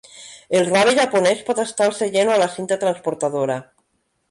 El rave japonès pot estar al seient o a la cinta transportadora.